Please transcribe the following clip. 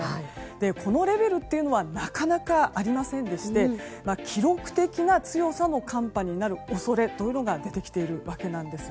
このレベルというのはなかなかありませんでして記録的な強さの寒波になる恐れが出てきているわけなんです。